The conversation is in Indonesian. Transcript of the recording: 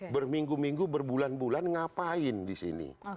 berminggu minggu berbulan bulan ngapain di sini